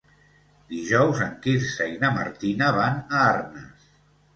Dijous en Quirze i na Martina van a Arnes.